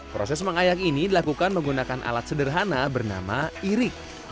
proses mengayak ini dilakukan menggunakan alat sederhana bernama irik